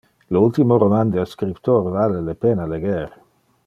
Le ultime roman del scriptor vale le pena leger.